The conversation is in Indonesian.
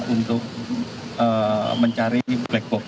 untuk mencari blackbook